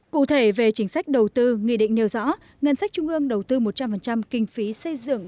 cụ thể về chính sách đầu tư nghị định nêu rõ ngân sách trung ương đầu tư một trăm linh kinh phí xây dựng